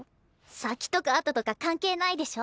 先とか後とか関係ないでしょ？